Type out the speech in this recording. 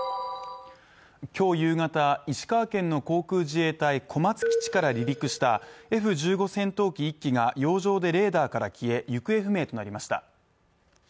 今日夕方、石川県の航空自衛隊小松基地から離陸したＦ１５戦闘機１機が洋上でレーダーから消え、行方不明となりました。